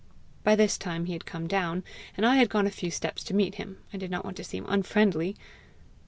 By this time he had come down, and I had gone a few steps to meet him; I did not want to seem unfriendly.